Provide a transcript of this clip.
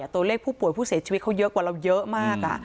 ตัวเลขผู้ป่วยผู้เสียชีวิตเขาเยอะกว่าเราเยอะมาก